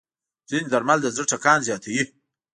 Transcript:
ځینې درمل د زړه ټکان زیاتوي.